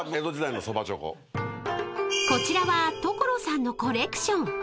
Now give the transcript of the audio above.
［こちらは所さんのコレクション］